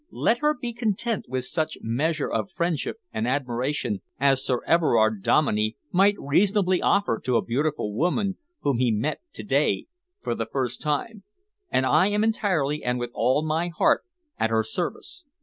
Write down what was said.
Let her be content with such measure of friendship and admiration as Sir Everard Dominey might reasonably offer to a beautiful woman whom he met to day for the first time, and I am entirely and with all my heart at her service.